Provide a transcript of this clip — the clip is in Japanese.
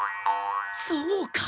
そうか！